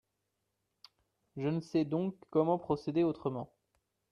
Je ne sais donc comment procéder autrement.